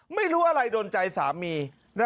ไม่รู้อะไรโดนใจสามี